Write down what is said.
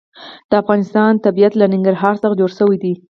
د افغانستان طبیعت له ننګرهار څخه جوړ شوی دی.